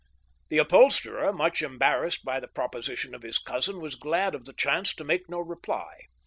The upholsterer, much embarrassed by the proposition of his cousin, was glad of the chance to make no reply.